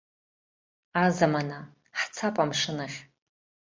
Азамана, ҳцап амшынахь.